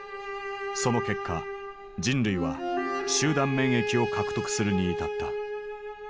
その結果人類は集団免疫を獲得するに至った。